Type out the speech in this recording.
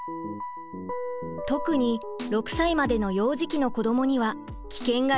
特に６歳までの幼児期の子どもには危険がいっぱいです。